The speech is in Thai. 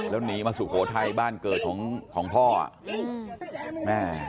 แล้วหนีมาสุโขธัณฑ์ใบ้านเกิดของพ่ออ่ะ